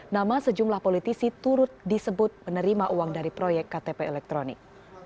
nama sejumlah politisi turut disebut menerima uang dari proyek ktp elektronik